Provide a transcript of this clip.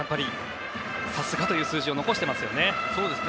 さすがという数字を残していますよね。